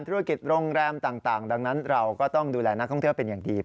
ธุรกิจโรงแรมต่างดังนั้นเราก็ต้องดูแลนักท่องเที่ยวเป็นอย่างดี